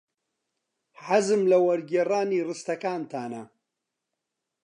حەزم لە وەرگێڕانی ڕستەکانتانە.